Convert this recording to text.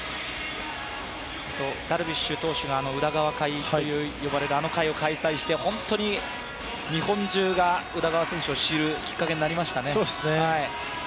ダルビッシュ投手が宇田川会って呼ばれる、あの会を開催して、日本中が宇田川選手を知るきっかけになりましたね。